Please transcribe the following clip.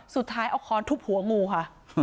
สุดท้ายเอาค้อนทุบหัวงูค่ะ